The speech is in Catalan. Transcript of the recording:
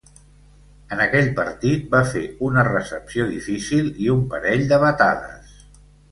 En aquell partit, va fer una recepció difícil i un parell de batades.